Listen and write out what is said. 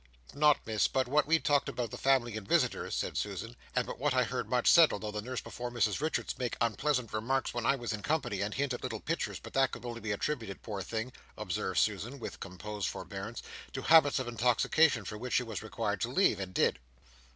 "Not, Miss, but what we talked about the family and visitors," said Susan, "and but what I heard much said, although the nurse before Mrs Richards make unpleasant remarks when I was in company, and hint at little Pitchers, but that could only be attributed, poor thing," observed Susan, with composed forbearance, "to habits of intoxication, for which she was required to leave, and did."